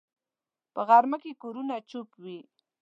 په غرمه کې کورونه چوپ وي